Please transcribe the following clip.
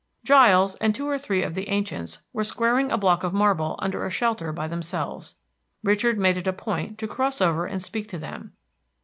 Giles and two or three of the ancients were squaring a block of marble under a shelter by themselves. Richard made it a point to cross over and speak to them.